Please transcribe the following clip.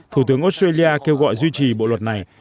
thủ tướng australia kêu gọi duy trì bộ luật này